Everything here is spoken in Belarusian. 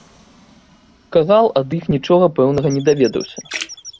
Кагал ад іх нічога пэўнага не даведаўся.